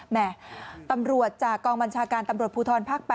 แม่ตำรวจจากกองบัญชาการตำรวจภูทรภาค๘